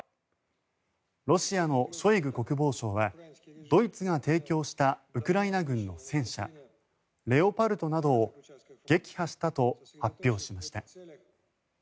ロシアのショイグ国防相はドイツが提供したウクライナ軍の戦車レオパルトなどを撃破したと発表しました。